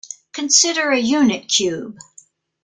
Consider a unit cube.